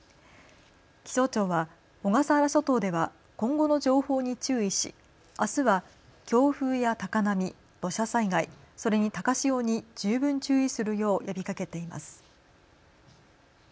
気象庁は小笠原諸島では今後の情報に注意しあすは強風や高波、土砂災害、それに高潮に十分注意するよう呼びかけています。